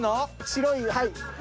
白いはい。